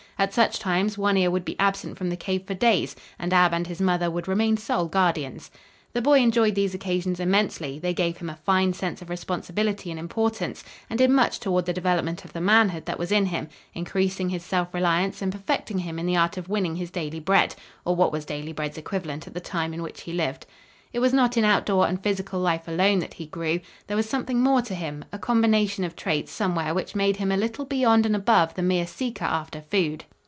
At such times One Ear would be absent from the cave for days and Ab and his mother would remain sole guardians. The boy enjoyed these occasions immensely; they gave him a fine sense of responsibility and importance, and did much toward the development of the manhood that was in him, increasing his self reliance and perfecting him in the art of winning his daily bread, or what was daily bread's equivalent at the time in which he lived. It was not in outdoor and physical life alone that he grew. There was something more to him, a combination of traits somewhere which made him a little beyond and above the mere seeker after food.